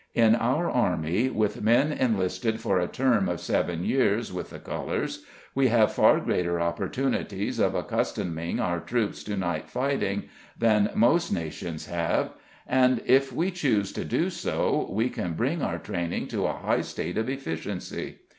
In our Army, with men enlisted for a term of seven years with the Colours, we have far greater opportunities of accustoming our troops to night fighting than most nations have, and, if we choose to do so, we can bring our training to a high state of efficiency.